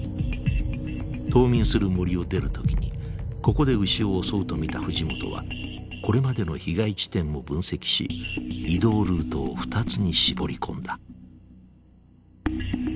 冬眠する森を出る時にここで牛を襲うと見た藤本はこれまでの被害地点も分析し移動ルートを２つに絞り込んだ。